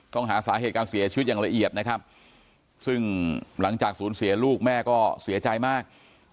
ต้องหาสาเหตุการเสียชีวิตอย่างละเอียดนะครับซึ่งหลังจากศูนย์เสียลูกแม่ก็เสียใจมาก